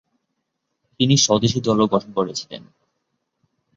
তিনি স্বদেশী দলও গঠন করেছিলেন।